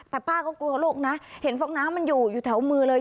แต่ป้าก็กลัวลูกนะเห็นฟองน้ำมันอยู่อยู่แถวมือเลย